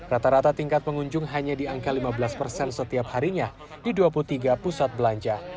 rata rata tingkat pengunjung hanya di angka lima belas persen setiap harinya di dua puluh tiga pusat belanja